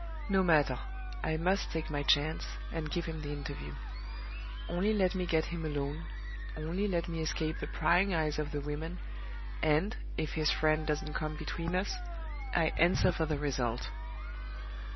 No matter! I must take my chance, and give him the interview. Only let me get him alone, only let me escape the prying eyes of the women, and if his friend doesn't come between us I answer for the result!